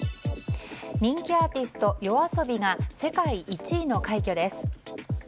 人気アーティストＹＯＡＳＯＢＩが世界１位の快挙です。